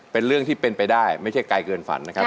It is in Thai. เป็นเรื่องที่เป็นไปได้ไม่ใช่ไกลเกินฝันนะครับ